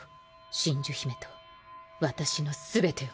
真珠姫と私の全てを。